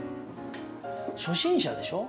初心者でしょ？